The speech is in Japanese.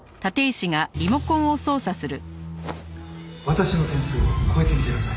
「私の点数を超えてみせなさい」